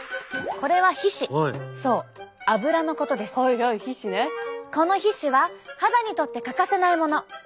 この皮脂は肌にとって欠かせないもの。